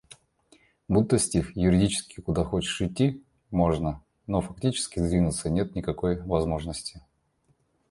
Будто стих. Юридически — куда хочешь идти можно, но фактически — сдвинуться никакой возможности.